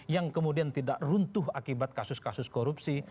yang kemudian tidak runtuh akibat kasus kasus korupsi